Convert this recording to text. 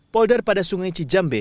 polder pada sungai cijambe